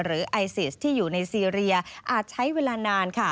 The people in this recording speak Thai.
หรือไอซิสในซีเรียอาจใช้เวลานาน